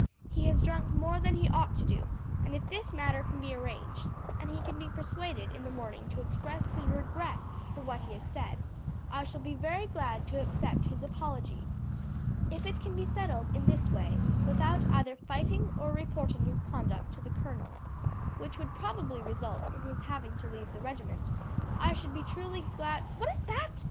He has drunk more than he ought to do, and if this matter can be arranged, and he can be persuaded in the morning to express his regret for what he has said, I shall be very glad to accept his apology. If it can be settled in this way without either fighting or reporting his conduct to the colonel, which would probably result in his having to leave the regiment, I should be truly glad What is that?"